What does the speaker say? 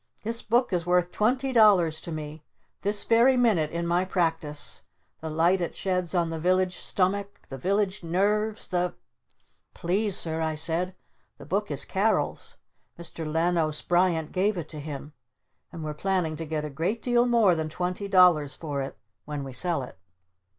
"This book is worth twenty dollars to me this very minute in my Practice! The light it sheds on the Village Stomach, the Village Nerves, the " "Please, Sir," I said. "The Book is Carol's. Mr. Lanos Bryant gave it to him. And we're planning to get a great deal more than twenty dollars for it when we sell it!"